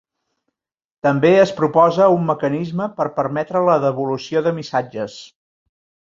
També es proposa un mecanisme per permetre la devolució de missatges.